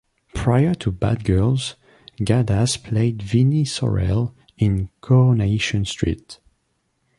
Prior to Bad Girls, Gaddas played Vinnie Sorrell in Coronation Street.